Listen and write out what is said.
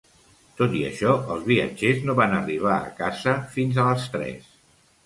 Tot i això, els viatgers no van arribar a casa fins a les tres.